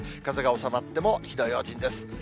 風が収まっても、火の用心です。